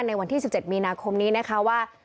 ในวันที่๑๗มีนาคมนี้นะคะว่า